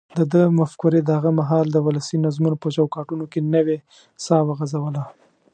دده مفکورې د هغه مهال د ولسي نظمونو په چوکاټونو کې نوې ساه وغځوله.